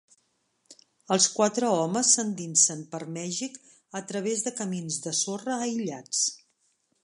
Els quatre homes s'endinsen per Mèxic a través de camins de sorra aïllats.